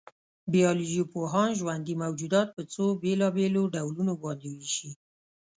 بایولوژيپوهان ژوندي موجودات په څو بېلابېلو ډولونو باندې وېشي.